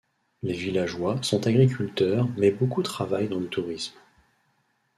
Les villageois sont agriculteurs mais beaucoup travaillent dans le tourisme.